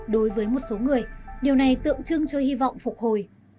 đối với một số người điều này tượng trưng cho hy vọng phục hồi